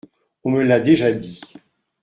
On me l’a déjà dit…